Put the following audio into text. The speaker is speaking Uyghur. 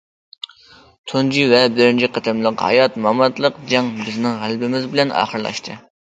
تۇنجى ۋە بىرىنچى قېتىملىق ھايات- ماماتلىق جەڭ بىزنىڭ غەلىبىمىز بىلەن ئاخىرلاشتى.